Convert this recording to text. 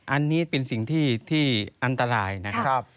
อันนี้เป็นสิ่งที่อันตรายนะครับ